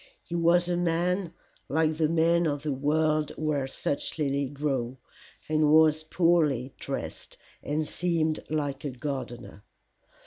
He was a man like the men of the world where such lilies grow, and was poorly dressed, and seemed like a gardener.